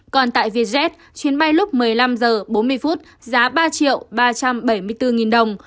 còn tại vietjet chuyến bay lúc một mươi năm h ba mươi giá ba sáu trăm một mươi chín đồng